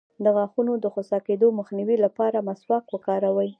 د غاښونو د خوسا کیدو مخنیوي لپاره مسواک وکاروئ